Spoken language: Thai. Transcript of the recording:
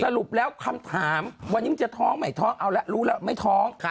สรุปแล้วคำถามวันนี้มันจะท้องใหม่ท้องเอาแล้วรู้แล้วไม่ท้อง